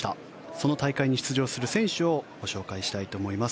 その大会に出場する選手をご紹介したいと思います。